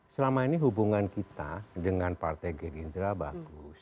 selama ini hubungan kita dengan partai gerindra bagus